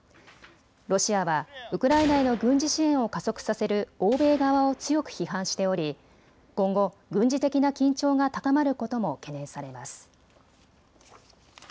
ロシアはウクライナへの軍事支援を加速させる欧米側を強く批判しており今後、軍事的な緊張が高まることも懸念されます。